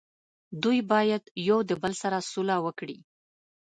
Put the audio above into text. دوي باید یو د بل سره سوله وکړي